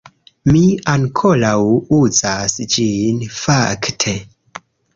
Mi ankoraŭ uzas ĝin fakte